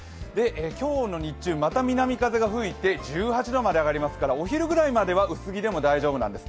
今日の日中、また南風が吹いて１８度まで上がりますから、お昼ぐらいまでは薄着でも大丈夫なんです。